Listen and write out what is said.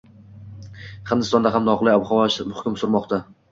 Hindistonda ham noqulay ob-havo hukm surmoqdang